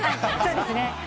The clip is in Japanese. そうですね。